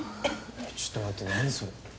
ちょっと待って何それ。